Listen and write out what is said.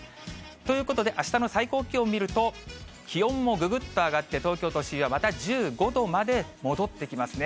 ということであしたの最高気温見ると、気温もぐぐっと上がって、東京都心はまた１５度まで戻ってきますね。